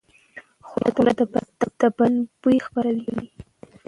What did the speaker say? خوله د بدن بوی خپروي.